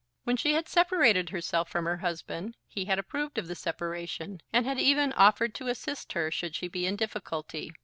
When she had separated herself from her husband he had approved of the separation, and had even offered to assist her should she be in difficulty.